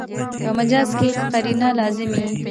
په مجاز کښي قرینه لازمي يي.